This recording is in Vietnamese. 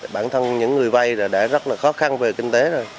bản thân những người vay đã rất là khó khăn về kinh tế rồi